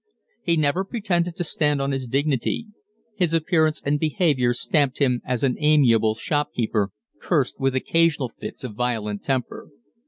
He never pretended to stand on his dignity his appearance and behavior stamped him as an amiable shopkeeper cursed with occasional fits of violent temper.